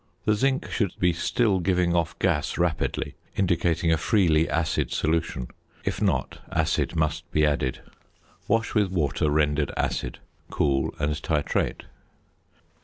The zinc should be still giving off gas rapidly, indicating a freely acid solution; if not, acid must be added. Wash with water rendered acid. Cool and titrate.